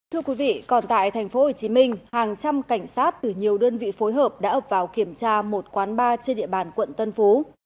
thưa quý vị còn tại thành phố hồ chí minh hàng trăm cảnh sát từ nhiều đơn vị phối hợp đã ập vào kiểm tra một quán bar trên địa bàn quận tân phú